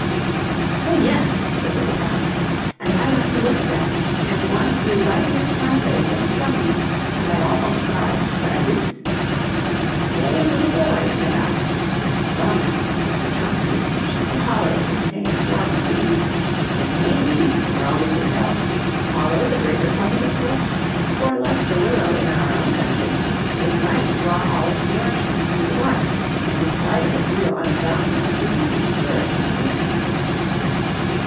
"Oh, yes," said little Franz, "and I went to look at them and one flew right against my face and stung me, and I almost cried, but I didn't." "Brave little boy," said I. "Well, now, if the trunk be sufficiently hollow to contain a swarm of bees, it may be, for all we can tell, hollow the greater part of its length, for like the willow in our own country it might draw all its nourishment through the bark, and in spite of its real unsoundness retain a flourishing appearance."